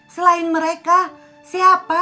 selain mereka siapa